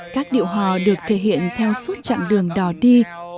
các điệu hò được thể hiện theo suốt chặng đường đò đi